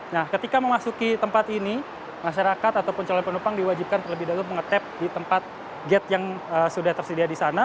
nah ketika memasuki tempat ini masyarakat ataupun calon penumpang diwajibkan terlebih dahulu menge tap di tempat gate yang sudah tersedia di sana